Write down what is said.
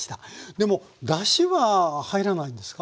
でもだしは入らないんですか？